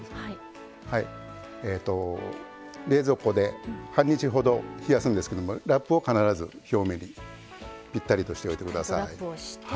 冷蔵庫で半日ほど冷やすんですけどもラップを必ず表面にピッタリとしておいて下さい。